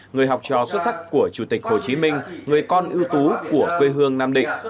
người học trò xuất sắc của chủ tịch hồ chí minh người con ưu tú của quê hương nam định